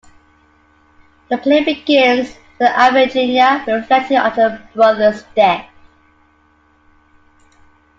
The play begins with Iphigenia reflecting on her brother's death.